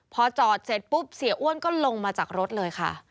พอจอดเสร็จปุ๊บเสียอ้วนก็ลงมาจากรถเลยค่ะ